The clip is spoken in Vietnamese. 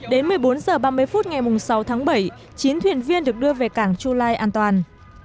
đến một mươi bốn h ba mươi phút ngày sáu tháng bảy chín thuyền viên được đưa về cảng chu lai an toàn